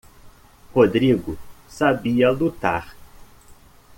Rodrigo sabia lutar.